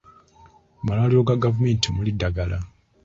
Mu malwaliro ga gavumenti temuli ddagala.